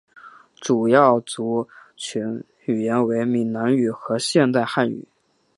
主要族群语言为闽南语和现代汉语。